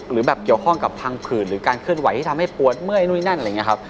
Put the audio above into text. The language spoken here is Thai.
หรือแบบเกี่ยวข้องกับทางผื่นหรือการเคลื่อนไหวที่ทำให้ปวดเมื่อยนู่นนั่นอะไรอย่างนี้ครับ